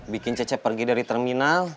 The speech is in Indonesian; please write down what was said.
bikin cecep pergi dari terminal